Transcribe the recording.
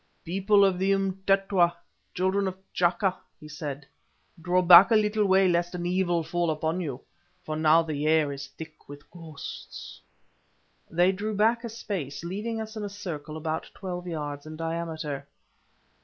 "People of the Umtetwa, children of T'Chaka," he said, "draw back a little way, lest an evil fall on you, for now the air is thick with ghosts." They drew back a space, leaving us in a circle about twelve yards in diameter.